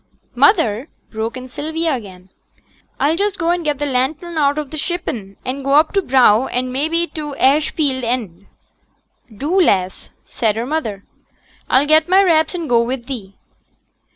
'Mother,' broke in Sylvia again, 'I'll just go and get t' lantern out of t' shippen, and go up t' brow, and mebbe to t' ash field end.' 'Do, lass,' said her mother. 'I'll get my wraps and go with thee.'